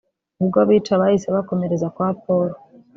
ubwo abica bahise bakomereza kwa Paul